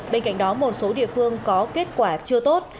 bên cạnh đó một số địa phương có kết quả chưa tốt